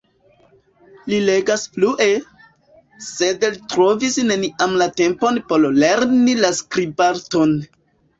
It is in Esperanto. Li legas flue; sed li trovis neniam la tempon por lerni la skribarton.